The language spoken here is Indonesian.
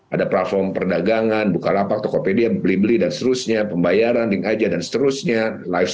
ada platform perdagangan bukalapak tokopedia blibli dan seterusnya pembayaran link aja dan seterusnya lifestyle dan lain lain